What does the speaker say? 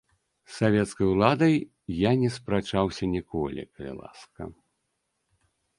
З савецкай уладай я не спрачаўся ніколі, калі ласка.